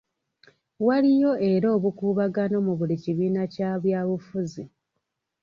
Waliyo era obukuubagano mu buli kibiina kya byabufuzi.